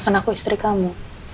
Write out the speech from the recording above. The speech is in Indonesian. kan aku istri kamu